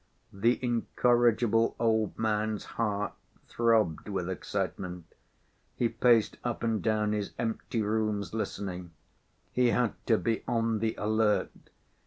The incorrigible old man's heart throbbed with excitement; he paced up and down his empty rooms listening. He had to be on the alert.